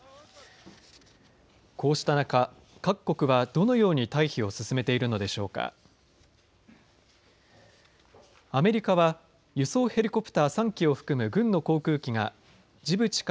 こうした中各国はどのように退避を進めているのでしょうか。